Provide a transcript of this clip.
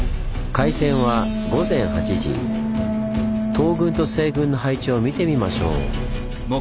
東軍と西軍の配置を見てみましょう。